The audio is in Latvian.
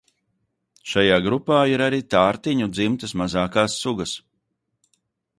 Šajā grupā ir arī tārtiņu dzimtas mazākās sugas.